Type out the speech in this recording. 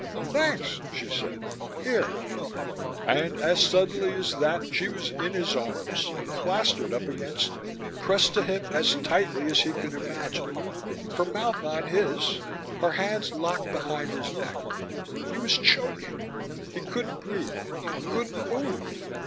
"Thanks," she said. "Here." And as suddenly as that she was in his arms, plastered up against him, pressed to him as tightly as he could imagine, her mouth on his, her hands locked behind his neck: he was choking, he couldn't breathe, he couldn't move....